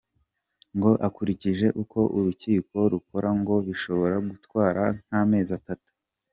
Ngo akurikije uko urukiko rukora ngo bishobora gutwara nk’amezi atatu.